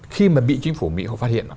khi mà bị chính phủ mỹ phát hiện